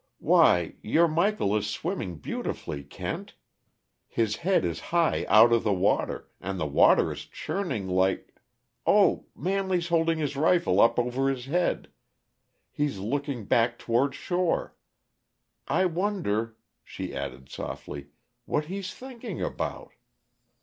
Why, your Michael is swimming beautifully, Kent! His head is high out of the water, and the water is churning like Oh, Manley's holding his rifle up over his head he's looking back toward shore. I wonder," she added softly, "what he's thinking about!